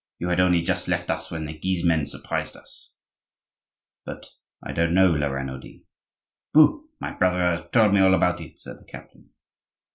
You had only just left us when the Guise men surprised us—" "But I don't know La Renaudie." "Pooh! my brother has told me all about it," said the captain.